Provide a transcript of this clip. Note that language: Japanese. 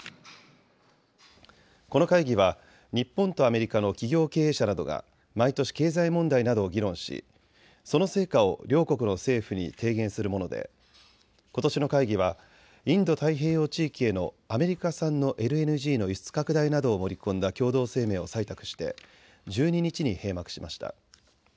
この会議は日本とアメリカの企業経営者などが毎年、経済問題などを議論し、その成果を両国の政府に提言するものでことしの会議はインド太平洋地域へのアメリカ産のＬＮＧの輸出拡大などを盛り込んだ共同声明を採択して１２日に閉幕しました。